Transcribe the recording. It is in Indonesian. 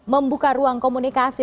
membuka ruang komunikasi